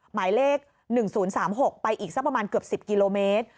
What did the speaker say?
หมายเลข๑๐๓๖ไปอีกสักประมาณเกือบ๑๐กิโลเมตร